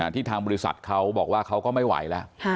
ทางบริษัทเขาบอกว่าเขาก็ไม่ไหวแล้ว